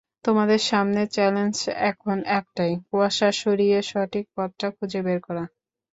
তোমাদের সামনে চ্যালেঞ্জ এখন এটাই—কুয়াশা সরিয়ে সঠিক পথটা খুঁজে বের করা।